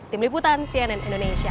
tim liputan cnn indonesia